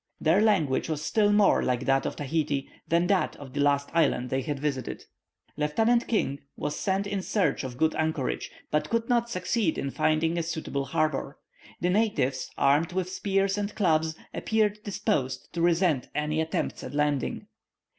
Their language was still more like that of Tahiti, than that of the last islands they had visited. Lieutenant King was sent in search of good anchorage, but could not succeed in finding a suitable harbour. The natives, armed with spears and clubs, appeared disposed to resent any attempt at landing.